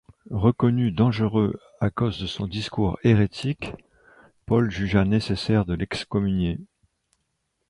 Reconnu dangereux à cause de son discours hérétique, Paul jugea nécessaire de l’excommunier.